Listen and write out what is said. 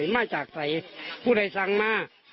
มาจากใส่ผู้ใดสั่งมา